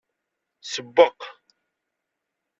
Sewweq.